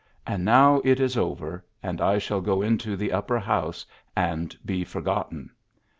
And now it Is over; and I shall go into the upper house, and be forgotten."